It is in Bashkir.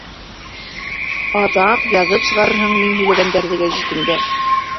Аҙаҡ яҙып сығарырһың мин һөйләгәндәрҙе гәзитеңдә.